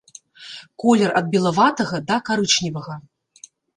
Колер ад белаватага да карычневага.